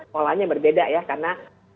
polanya berbeda ya karena